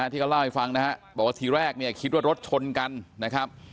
ที่เขาเล่าให้ฟังนะฮะบอกว่าทีแรกเนี่ยคิดว่ารถชนกันนะครับ